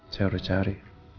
saya harus cari